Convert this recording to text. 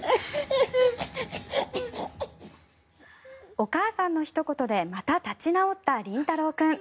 お母さんのひと言でまた立ち直ったりんたろう君。